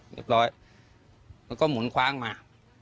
เรียบร้อยมันก็หมุนคว้างมา